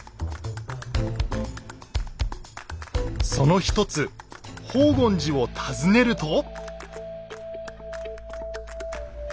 その一つ宝厳寺を訪ねると。